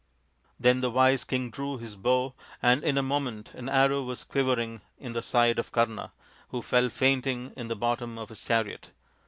Then the wise king drew his bow and in a moment an arrow was quivering in the side of Kama, who fell fainting in the bottom of his chariot.